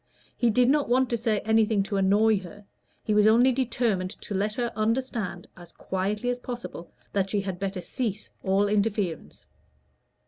He did not want to say anything to annoy her: he was only determined to let her understand, as quietly as possible, that she had better cease all interference.